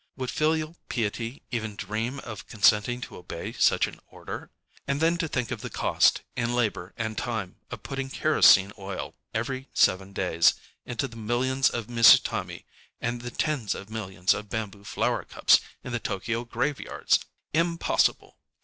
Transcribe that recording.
Would filial piety even dream of consenting to obey such an order? And then to think of the cost, in labor and time, of putting kerosene oil, every seven days, into the millions of mizutam├®, and the tens of millions of bamboo flower cups, in the T┼Źky┼Ź graveyards!... Impossible!